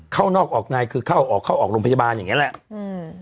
เข้านอกออกนายคือเข้าออกเข้าออกโรงพยาบาลอย่างเงี้แหละอืม